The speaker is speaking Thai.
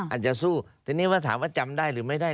อาจจะสู้ทีนี้ว่าถามว่าจำได้หรือไม่ได้